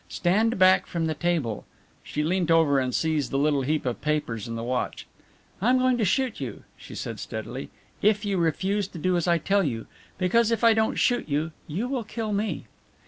"Stand back from the table." She leant over and seized the little heap of papers and the watch. "I am going to shoot you," she said steadily, "if you refuse to do as I tell you; because if I don't shoot you, you will kill me."